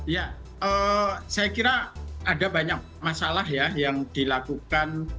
ya saya kira ada banyak masalah ya yang dilakukan